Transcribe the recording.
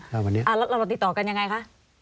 แล้วเราติดต่อกันยังไงคะ